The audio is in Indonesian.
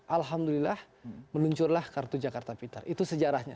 alhamdulillah meluncurlah kartu jakarta pintar itu sejarahnya